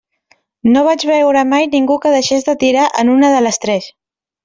No vaig veure mai ningú que deixés de tirar en una de les tres.